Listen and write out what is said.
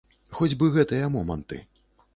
Хоць бы гэтыя моманты.